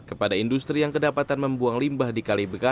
kepada industri yang kedapatan membuang limbah di kali bekasi